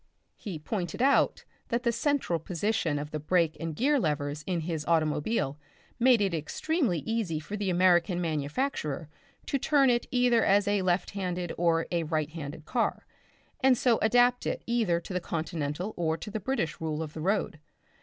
He pointed out that the central position of the brake and gear levers in his automobile made it extremely easy for the American manufacturer to turn it out either as a left handed or a right handed car, and so adapt it either to the Continental or to the British rule of the road.